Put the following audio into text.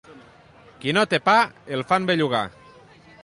Qui no té pa, el fan bellugar.